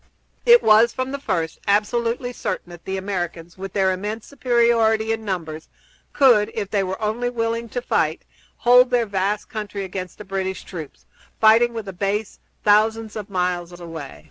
It was, from the first, absolutely certain that the Americans, with their immense superiority in numbers, could, if they were only willing to fight, hold their vast country against the British troops, fighting with a base thousands of miles away.